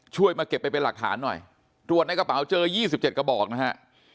มาเก็บไปเป็นหลักฐานหน่อยตรวจในกระเป๋าเจอ๒๗กระบอกนะฮะ